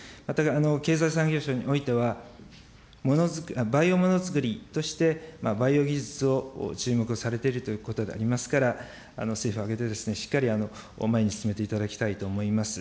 経済産業省においては、バイオものづくりとして、バイオ技術を注目をされているということでありますから、政府を挙げて、しっかり前に進めていただきたいと思います。